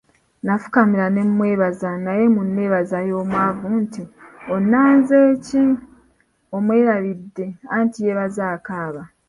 Nafukamira ne mmwebaza naye mu neebaza y'omwavu nti "onnanze ki?" omwerabidde, anti yeebaza akaaba.